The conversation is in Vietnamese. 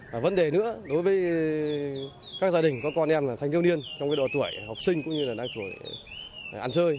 và vấn đề nữa đối với các gia đình có con em thành niêu niên trong độ tuổi học sinh cũng như là đang tuổi ăn chơi